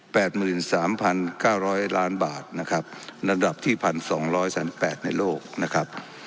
หมื่นสามพันเก้าร้อยล้านบาทนะครับระดับที่พันสองร้อยสามแปดในโลกนะครับ